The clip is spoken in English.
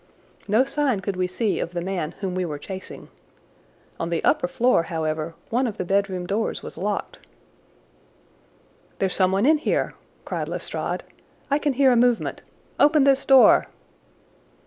No sign could we see of the man whom we were chasing. On the upper floor, however, one of the bedroom doors was locked. "There's someone in here," cried Lestrade. "I can hear a movement. Open this door!"